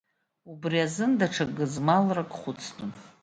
Убри азын даҽа гызмалрак хәыцтәын.